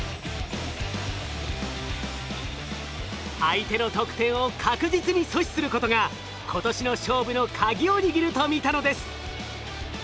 相手の得点を確実に阻止することが今年の勝負のカギを握ると見たのです。